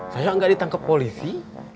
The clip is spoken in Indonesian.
saya gak ditangkap polisi